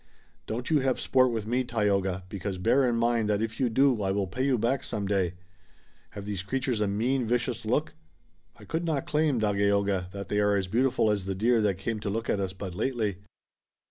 "Don't you have sport with me, Tayoga, because bear in mind that if you do I will pay you back some day. Have these creatures a mean, vicious look?" "I could not claim, Dagaeoga, that they are as beautiful as the deer that came to look at us but lately."